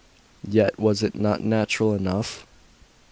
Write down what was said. Yet was it not natural enough?